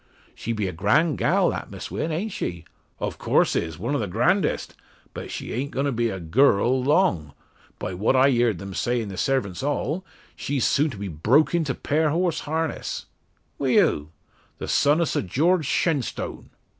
"She be a grand gal, that Miss Wynn. An't she?" "In course is one o' the grandest. But she an't going to be a girl long. By what I heerd them say in the sarvints' hall, she's soon to be broke into pair horse harness." "Wi' who?" "The son o' Sir George Shenstone."